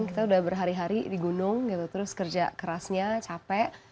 kita udah berhari hari di gunung gitu terus kerja kerasnya capek